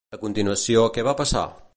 A continuació, què va passar?